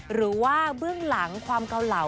หรือว่าเบื้องหลังความเกาเหลา